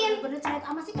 bener bener ceritama sih